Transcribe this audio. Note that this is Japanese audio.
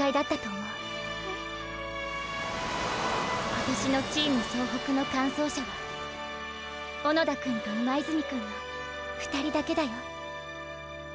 今年のチーム総北の完走者は――小野田くんと今泉くんの２人だけだよ。